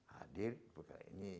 hadir perkara ini